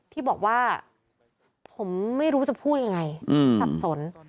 ที่บอกว่าผมไม่รู้จะพูดยังไงสับสน